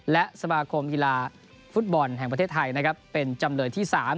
และสมาคมกีฬาฟุตบอลแห่งประเทศไทยนะครับเป็นจำเลยที่๓